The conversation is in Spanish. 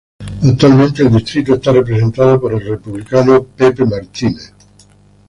Actualmente el distrito está representado por el Republicano Bill Cassidy.